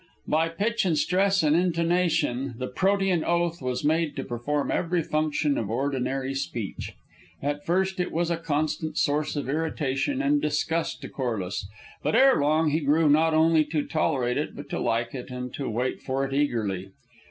By pitch and stress and intonation, the protean oath was made to perform every function of ordinary speech. At first it was a constant source of irritation and disgust to Corliss, but erelong he grew not only to tolerate it, but to like it, and to wait for it eagerly.